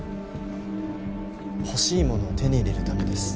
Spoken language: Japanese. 欲しいものを手に入れるためです。